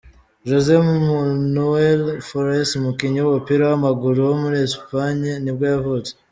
José Manuel Flores, umukinnyi w’umupira w’amaguru wo muri Espagne nibwo yavutse.